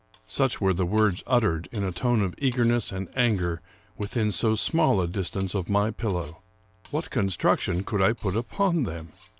Such were the words uttered, in a tone of eagerness and anger, within so small a distance of my pillow. What con struction could I put upon them?